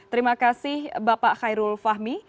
terima kasih bapak khairul fahmi